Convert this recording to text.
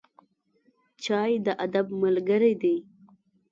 چای د ادب ملګری دی.